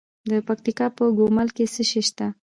د پکتیکا په ګومل کې څه شی شته؟